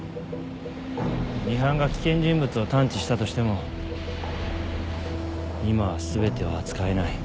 ミハンが危険人物を探知したとしても今は全てを扱えない。